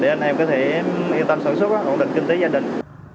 để anh em có thể yên tâm sản xuất ổn định kinh tế gia đình